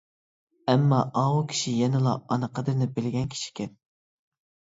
ئەمما ئاۋۇ كىشى يەنىلا ئانا قەدرىنى بىلگەن كىشىكەن.